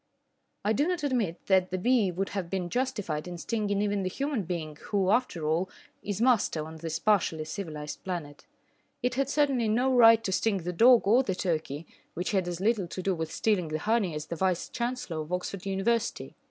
I do not admit that the bee would have been justified in stinging even the human being who, after all, is master on this partially civilised planet. It had certainly no right to sting the dog or the turkey, which had as little to do with stealing the honey as the Vice Chancellor of Oxford University.